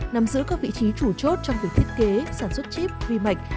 nằm giữ các vị trí chủ chốt trong việc thiết kế sản xuất chip vi mạch